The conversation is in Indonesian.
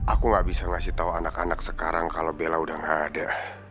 aku gak bisa ngasih tahu anak anak sekarang kalau bela udah gak ada